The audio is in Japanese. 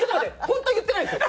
本当に言ってないですよ。